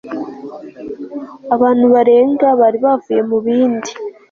abantu barenga bari bavuye mu bindi